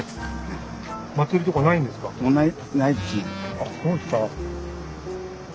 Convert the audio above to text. あっそうですか。